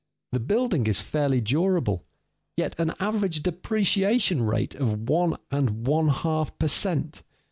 The building is fairly durable; yet an average depreciation rate of one and one half per cent.